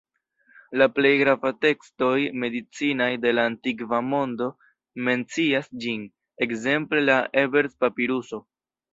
La plej gravaj tekstoj medicinaj de la antikva mondo mencias ĝin, ekzemple la Ebers-papiruso.